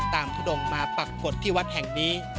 ตามทศมาปรักษ์กฎที่วัดแห่งนี้